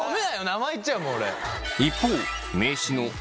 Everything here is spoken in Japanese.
名前いっちゃうもん俺。